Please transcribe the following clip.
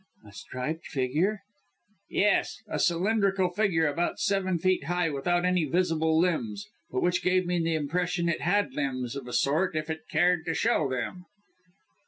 "A striped figure?" "Yes! A cylindrical figure, about seven feet high, without any visible limbs; but which gave me the impression it had limbs of a sort if it cared to show them."